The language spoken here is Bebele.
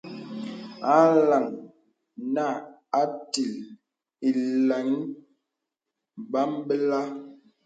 A LAŋ Nə Atīl īlaŋī bə̀mbələ̀.